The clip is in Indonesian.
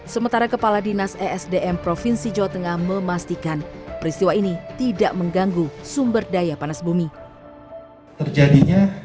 sementara kepala dinas esdm provinsi jawa tengah memastikan peristiwa ini tidak mengganggu sumber daya panas bumi